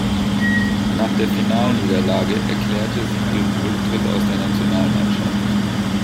Nach der Finalniederlage erklärte sie ihren Rücktritt aus der Nationalmannschaft.